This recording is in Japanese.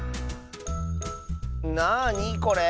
なあにこれ？